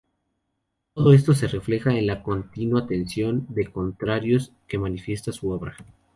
Todo esto se refleja en la continua tensión de contrarios que manifiesta su obra.